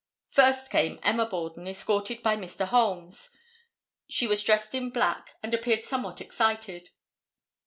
First came Emma Borden, escorted by Mr. Holmes. She was dressed in black, and appeared somewhat excited.